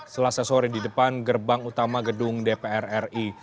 selasa sore di depan gerbang utama gedung dpr ri